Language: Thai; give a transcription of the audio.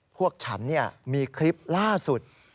พวกฉันมีคลิปล่าสุด